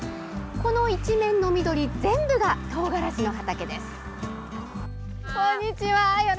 この一面の緑、全部がトウガラシの畑です。